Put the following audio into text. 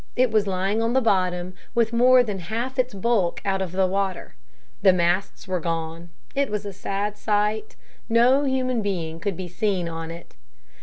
It was lying on the bottom with more than half its bulk out of the water. The masts were gone. It was a sad sight. No human being could be seen on it.